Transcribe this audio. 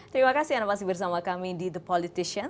terima kasih anda masih bersama kami di the politician